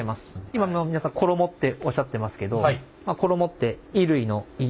今もう皆さん衣っておっしゃってますけど衣って衣類の衣。